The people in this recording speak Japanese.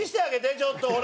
ちょっと、ほら。